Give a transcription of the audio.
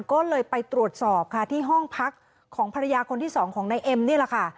ก็เลยไปตรวจสอบค่ะที่ห้องพักของภรรยาคนที่สองของนายเอ็มนี่แหละค่ะ